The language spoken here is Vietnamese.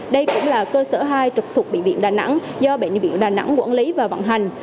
đây cũng là cơ sở hai trực thuộc bệnh viện đà nẵng do bệnh viện đà nẵng quản lý và vận hành